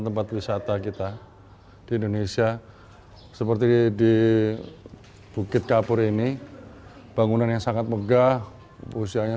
tempat wisata kita di indonesia seperti di bukit kapur ini bangunan yang sangat megah usianya